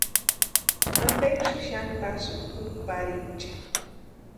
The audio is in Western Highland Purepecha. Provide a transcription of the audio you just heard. ¿Ampeksï xani pasïni puki pariecha?